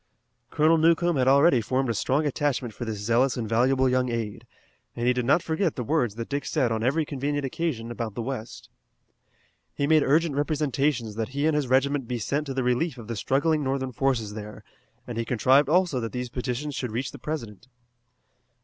Colonel Newcomb had already formed a strong attachment for this zealous and valuable young aide, and he did not forget the words that Dick said on every convenient occasion about the west. He made urgent representations that he and his regiment be sent to the relief of the struggling Northern forces there, and he contrived also that these petitions should reach the President.